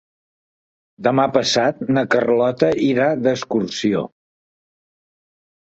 Demà passat na Carlota irà d'excursió.